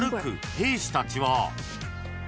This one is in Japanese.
兵士たちは］